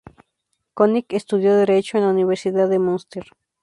König estudió derecho en la Universidad de Münster.